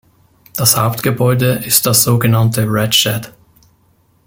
Das Hauptgebäude ist das sogenannte Red Shed.